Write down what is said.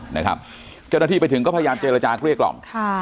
เจ้าหน้าที่ไปถึงก็พยายามเจรจาเกลี้ยกล่อม